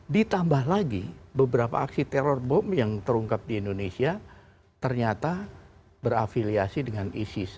ditambah lagi beberapa aksi teror bom yang terungkap di indonesia ternyata berafiliasi dengan isis